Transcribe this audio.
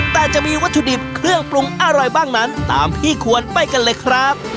แต่จะมีวัตถุดิบเครื่องปรุงอะไรบ้างนั้นตามพี่ควรไปกันเลยครับ